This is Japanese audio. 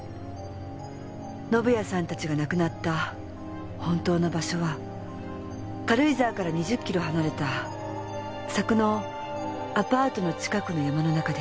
宣也さんたちが亡くなった本当の場所は軽井沢から２０キロ離れた佐久のアパートの近くの山の中でした。